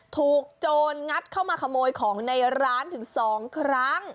โจรงัดเข้ามาขโมยของในร้านถึง๒ครั้ง